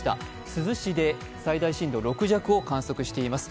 珠洲市で最大震度６弱を観測しています。